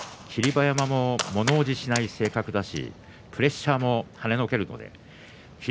馬山もものおじしない性格だしプレッシャーもはねのける霧